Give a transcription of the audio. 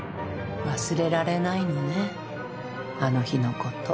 忘れられないのねあの日のこと。